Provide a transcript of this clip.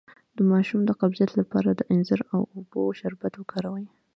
د ماشوم د قبضیت لپاره د انځر او اوبو شربت وکاروئ